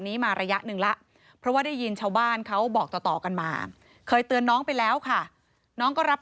มีอะไรอยากจะฝากบอกผู้ใส่หายไหมครับ